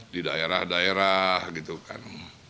di daerah daerah gitu kan